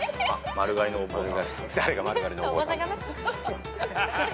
「丸刈りのお坊さん」